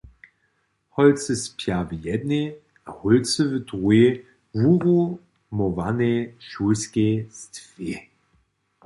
Holcy spja w jednej a hólcy w druhej wurumowanej šulskej stwě.